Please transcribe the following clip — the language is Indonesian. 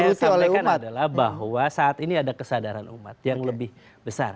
saya ingin sampaikan adalah bahwa saat ini ada kesadaran umat yang lebih besar